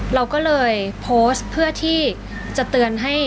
เราก็เลยโพสต์เพื่อที่จะเตือนให้